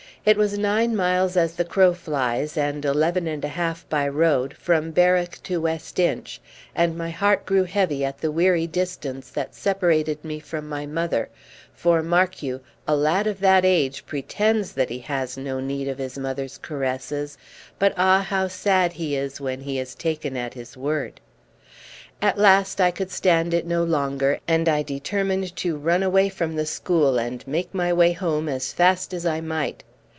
It was nine miles as the crow flies, and eleven and a half by road, from Berwick to West Inch, and my heart grew heavy at the weary distance that separated me from my mother; for, mark you, a lad of that age pretends that he has no need of his mother's caresses, but ah, how sad he is when he is taken at his word! At last I could stand it no longer, and I determined to run away from the school and make my way home as fast as I might.